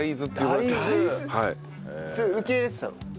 それ受け入れてたの？